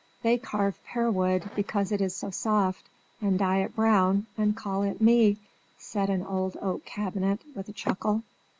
"They carve pear wood because it is so soft, and dye it brown, and call it me" said an old oak cabinet, with a chuckle.